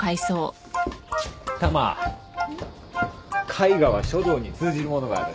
絵画は書道に通じるものがある